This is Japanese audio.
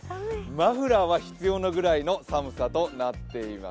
マフラーが必要なくらいの寒さとなっています。